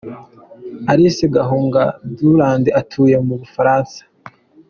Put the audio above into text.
Alice Gahunga Durand atuye mu Bufaransa.